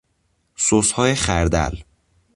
سسهای خردل